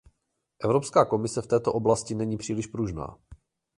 Evropská komise v této oblasti není příliš pružná.